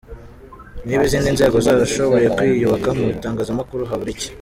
Niba izindi nzego zarashoboye kwiyubaka mu itangazamakuru habura iki?”.